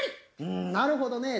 「なるほどねって」